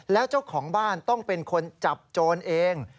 แล้วเจ้าของบ้านต้องเป็นคนจับโจรเอง